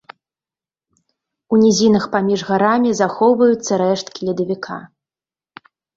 У нізінах паміж гарамі захоўваюцца рэшткі ледавіка.